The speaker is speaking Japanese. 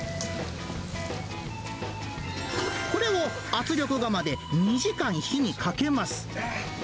これを圧力釜で２時間火にかけます。